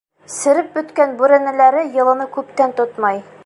Сереп бөткән бүрәнәләре йылыны күптән тотмай.